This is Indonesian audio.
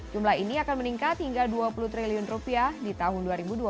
jumlah ini akan meningkat hingga dua puluh triliun rupiah di tahun dua ribu dua puluh